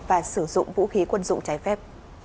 và sử dụng vũ khí quân dụng trái phép